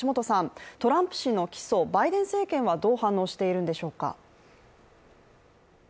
トランプ氏の起訴、バイデン政権はどう反応しているんでしょうか。